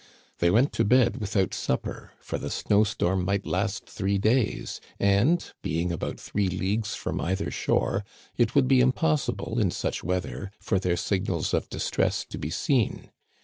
They went to bed without supper, for the snow storm might last three days, and, being about three leagues from either shore, it would be impossible, in such weather, for their signals of distress to be seen.